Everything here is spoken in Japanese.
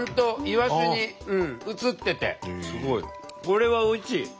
これはおいしい！